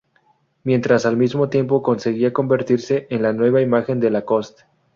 Mientras al mismo tiempo conseguía convertirse en la nueva imagen de Lacoste.